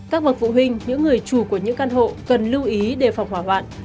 các bậc phụ huynh những người chủ của những căn hộ cần lưu ý đề phòng hỏa hoạn